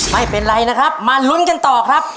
ไม่เป็นไรนะครับมาลุ้นกันต่อครับ